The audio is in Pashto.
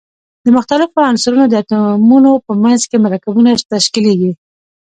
د مختلفو عنصرونو د اتومونو په منځ کې مرکبونه تشکیلیږي.